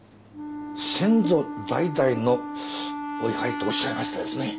先祖代々のお位牌とおっしゃいましたですね？